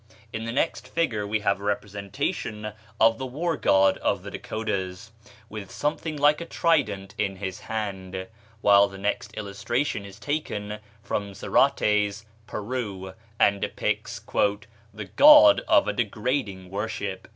In the next figure we have a representation of the war god of the Dakotas, with something like a trident in his hand; while the next illustration is taken from Zarate's "Peru," and depicts "the god of a degrading worship."